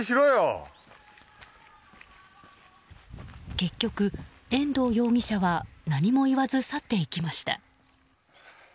結局、遠藤容疑者は何も言わず去っていきました。